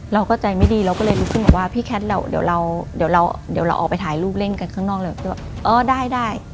เราก็ใจไม่ดีเราก็เลยรู้สึกว่าว่าพี่แคทเดี๋ยวเราออกไปถ่ายรูปเล่นกันข้างนอกเลย